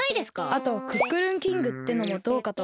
あとクックルンキングってのもどうかと。